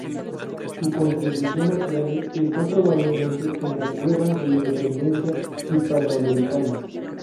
Su contribución más grande está, probablemente, en las guerras de independencia hispanoamericanas.